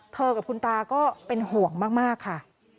กับคุณตาก็เป็นห่วงมากค่ะ